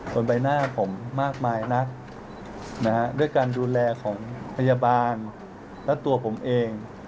บนใบหน้าผมมากมายนักด้วยการดูแลของพยาบาลและตัวผมเอง